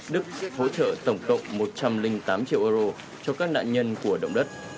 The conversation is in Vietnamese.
đức hỗ trợ tổng cộng một trăm linh tám triệu euro cho các nạn nhân của động đất